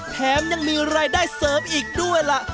แถมยังมีรายได้เสริมอีกด้วยล่ะ